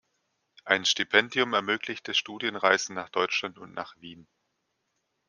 Ein Stipendium ermöglichte Studienreisen nach Deutschland und nach Wien.